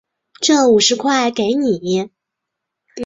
这五十块给你